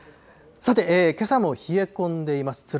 さて、けさも冷え込んでいます。